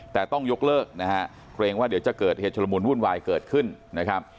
แต่ต้องยกเลิกนะฮะเกรงว่าเดี๋ยวจะเกิดเหตุชุลมุนวุ่นวายเกิดขึ้นนะครับ